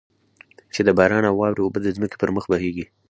چې د باران او واورې اوبه د ځمکې پر مخ بهېږي.